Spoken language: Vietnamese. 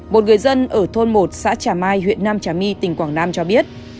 một người dân ở thôn một xã trà mai huyện nam trà my tỉnh quảng nam cho biết